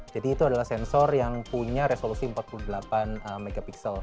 jadi itu adalah sensor yang punya resolusi empat puluh delapan mp